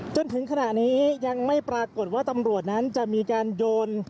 จนถึงขณะนี้ยังไม่ปรากฏว่าตำรวจนั้นจะมีการโยน